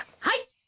はい！